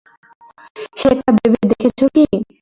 সেটা ভেবে দেখেছ কী?